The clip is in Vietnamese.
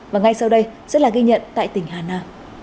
và ngay sau đây sẽ là ghi nhận tại tỉnh hà na